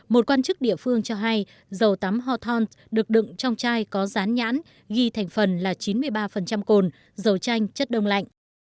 một quan chức địa phương cho hay dầu tắm hothon được đựng trong chai có rán nhãn ghi thành phần là chín mươi ba cồn dầu tranh chất đông lạnh